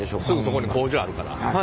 すぐそこに工場あるから。